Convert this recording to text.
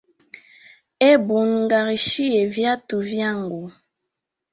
Hebu nng’arishiye viatu vyangu